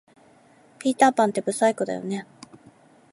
ピーターパンって不細工だよね